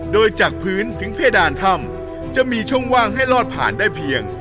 โดยจากพื้นถึงเพดานถ้ำจะมีช่องว่างให้ลอดผ่านได้เพียง